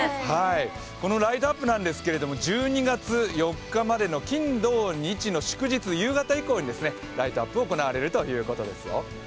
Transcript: このライトアップなんですけど１２月４日までの金、土、日、祝日、夕方以降に行われるということですよ。